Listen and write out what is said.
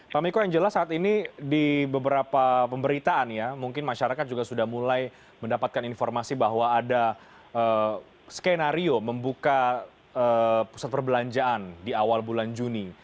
pak miko yang jelas saat ini di beberapa pemberitaan ya mungkin masyarakat juga sudah mulai mendapatkan informasi bahwa ada skenario membuka pusat perbelanjaan di awal bulan juni